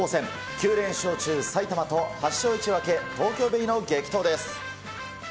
９連勝中埼玉と、８勝１分け、東京ベイの激闘です。